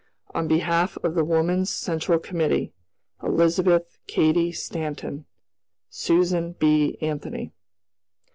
"On behalf of the Woman's Central Committee, "Elizabeth Cady Stanton, "Susan B. Anthony."